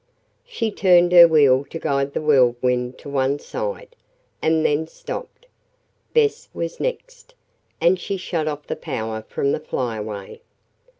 She turned her wheel to guide the Whirlwind to one side, and then stopped. Bess was next, and she shut off the power from the Flyaway.